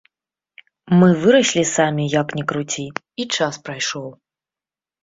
Мы выраслі самі, як ні круці, і час прайшоў.